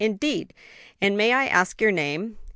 "Indeed! and may I ask your name?"